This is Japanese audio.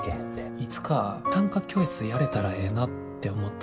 いつか短歌教室やれたらええなって思った。